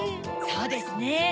そうですね。